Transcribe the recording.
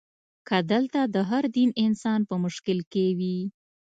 که دلته د هر دین انسان په مشکل کې وي.